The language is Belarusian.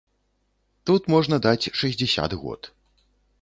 Тут можна даць шэсцьдзесят год.